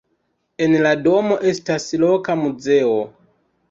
En la domo estas loka muzeo.